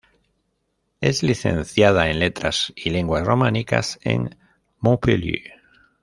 Es licenciada en Letras y Lenguas Románicas en Montpellier.